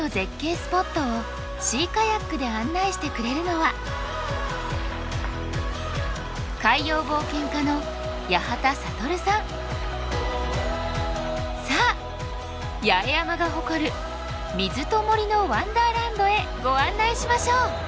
スポットをシーカヤックで案内してくれるのはさあ八重山が誇る水と森のワンダーランドへご案内しましょう！